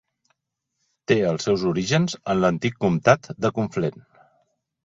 Té els seus orígens en l'antic comtat de Conflent.